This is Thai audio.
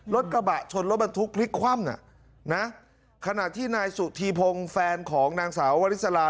รถกระบะชนรถบรรทุกพลิกคว่ำอ่ะนะขณะที่นายสุธีพงศ์แฟนของนางสาววริสลา